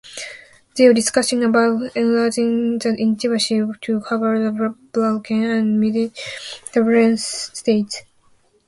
There are discussions about enlarging the initiative to cover the Balkan and Mediterranean states.